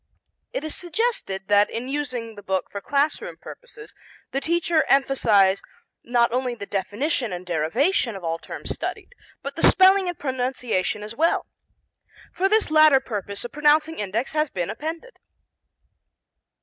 It is suggested that in using the book for class room purposes the teacher emphasize not only the definition and derivation of all terms studied, but the spelling and pronunciation as well. For this latter purpose a pronouncing index has been appended.